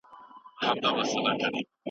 تاسو د پښتو ژبې د خدمت لپاره څومره ژمن یاست؟